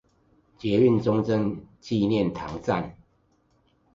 捷運中正紀念堂站